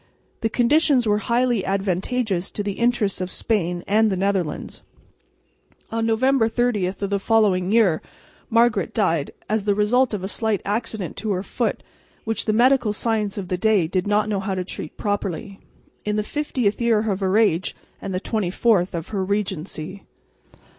The conditions were highly advantageous to the interests of Spain and the Netherlands. On November 30 of the following year Margaret died, as the result of a slight accident to her foot which the medical science of the day did not know how to treat properly, in the 50th year of her age and the 24th of her regency.